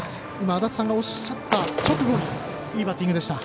足達さんがおっしゃった直後にいいバッティングでした。